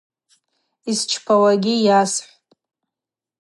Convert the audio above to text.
Йсчпауагьи уасхӏвпӏ.